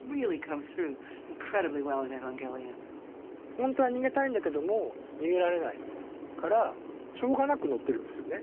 ホントは逃げたいんだけども逃げられないからしょうがなく乗ってるんですよね。